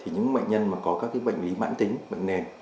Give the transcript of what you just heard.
những bệnh nhân có các bệnh lý mãn tính bệnh nền